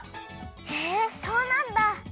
へえそうなんだ！